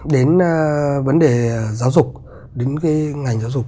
đến vấn đề giáo dục đến cái ngành giáo dục